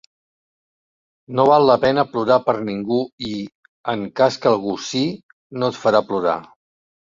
No val la pena plorar per ningú i, en cas que algú sí, no et farà plorar.